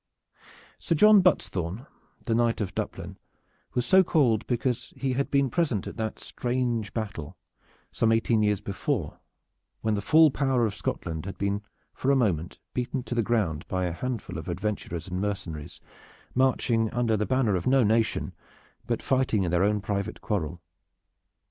Sir John Buttesthorn, the Knight of Duplin, was so called because he had been present at that strange battle, some eighteen years before, when the full power of Scotland had been for a moment beaten to the ground by a handful of adventurers and mercenaries, marching under the banner of no nation, but fighting in their own private quarrel.